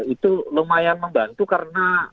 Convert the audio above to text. itu lumayan membantu karena